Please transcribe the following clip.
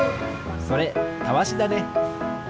それたわしだね。